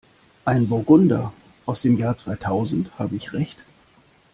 Ein Burgunder aus dem Jahr zweitausend, habe ich Recht?